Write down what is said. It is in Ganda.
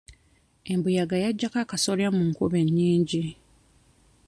Embuyaga yagyako akasolya mu nkuba ennyingi.